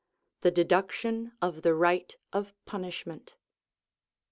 The deduction of the right of punishment.